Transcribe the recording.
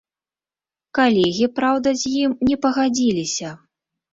Калегі, праўда, з ім не пагадзіліся.